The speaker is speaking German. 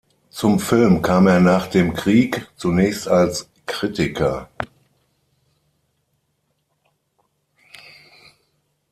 Zum Film kam er nach dem Krieg, zunächst als Kritiker.